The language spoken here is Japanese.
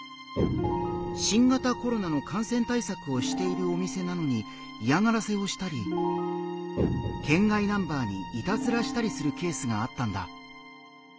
新型コロナの感染対策をしているお店なのに嫌がらせをしたり県外ナンバーにいたずらしたりするケースがあったんだ。